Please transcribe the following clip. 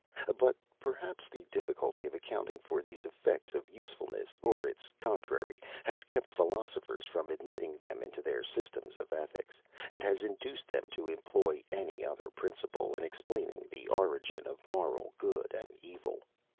But perhaps the difficulty of accounting for these effects of usefulness, or its contrary, has kept philosophers from admitting them into their systems of ethics, and has induced them to employ any other principle, in explaining the origin of moral good and evil.